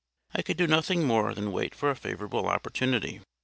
I could do nothing more than wait for a favourable opportunity.